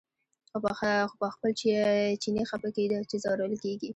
خو په خپل چیني خپه کېده چې ځورول کېږي.